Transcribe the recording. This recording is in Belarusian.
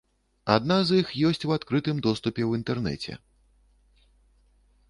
Адна з іх ёсць у адкрытым доступе ў інтэрнэце.